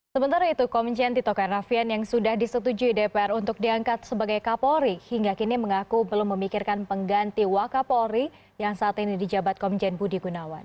sementara itu komjen tito karnavian yang sudah disetujui dpr untuk diangkat sebagai kapolri hingga kini mengaku belum memikirkan pengganti wakapolri yang saat ini di jabat komjen budi gunawan